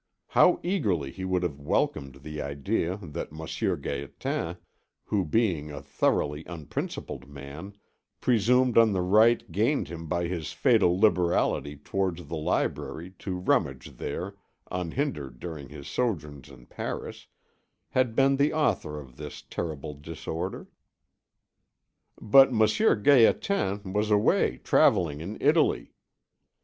How eagerly he would have welcomed the idea that Monsieur Gaétan, who, being a thoroughly unprincipled man, presumed on the right gained him by his fatal liberality towards the library to rummage there unhindered during his sojourns in Paris, had been the author of this terrible disorder. But Monsieur Gaétan was away travelling in Italy.